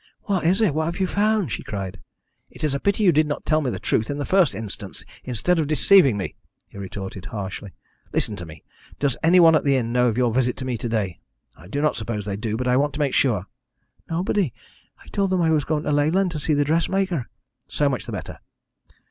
"What is it? What have you found?" she cried. "It is a pity you did not tell me the truth in the first instance instead of deceiving me," he retorted harshly. "Listen to me. Does any one at the inn know of your visit to me to day? I do not suppose they do, but I want to make sure." "Nobody. I told them I was going to Leyland to see the dressmaker." "So much the better."